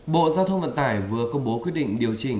bộ giao thông vận tải vừa công bố quyết định điều chỉnh